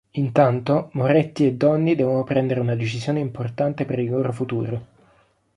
Intanto, Moretti e Donnie devono prendere una decisione importante per il loro futuro.